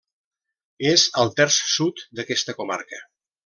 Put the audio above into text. És al terç sud d'aquesta comarca.